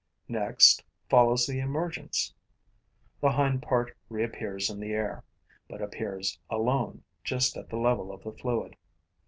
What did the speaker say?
Next follows the emergence. The hind part reappears in the air, but appears alone, just at the level of the fluid.